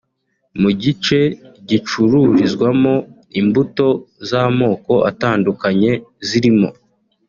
Mu gice gicururizwamo imbuto z’amoko atandukanye zirimo